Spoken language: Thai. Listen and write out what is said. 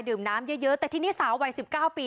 น้ำเยอะแต่ทีนี้สาววัย๑๙ปี